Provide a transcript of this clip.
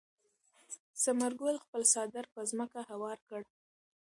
ثمر ګل خپل څادر پر ځمکه هوار کړ.